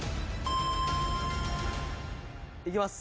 いきます。